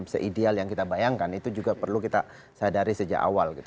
se ideal yang kita bayangkan itu juga perlu kita sadari sejak awal gitu